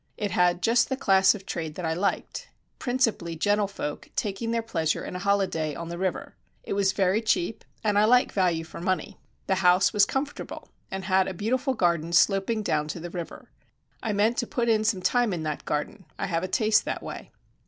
It had just the class of trade that I liked principally gentlefolk taking their pleasure in a holiday on the river. It was very cheap, and I like value for money. The house was comfortable, and had a beautiful garden sloping down to the river. I meant to put in some time in that garden I have a taste that way.